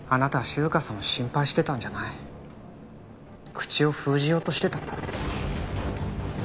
口を封じようとしてた。